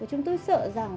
và chúng tôi sợ rằng